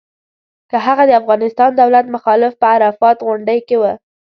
که هغه د افغانستان دولت مخالف په عرفات غونډۍ کې و.